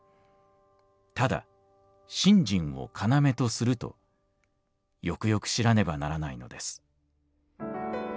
ただ信心を要とするとよくよく知らねばならないのです」。